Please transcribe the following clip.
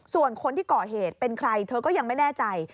ส่วนคนที่ก่อเหตุเป็นใครเธอก็ยังไม่แน่ใจ